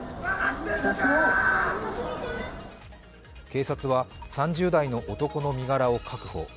警察は３０代の男の身柄を確保。